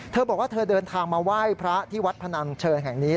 เธอบอกว่าเธอเดินทางมาไหว้พระที่วัดพนังเชิญแห่งนี้